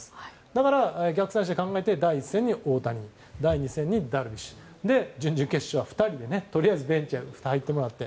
だから、逆算して考えて第１戦に大谷第２戦にダルビッシュ準々決勝はとりあえず２人でベンチに入ってもらって。